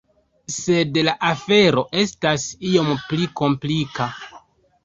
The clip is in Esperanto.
Sed la afero estas iom pli komplika.